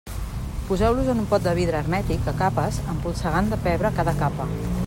Poseu-los en un pot de vidre hermètic, a capes, empolsegant de pebre cada capa.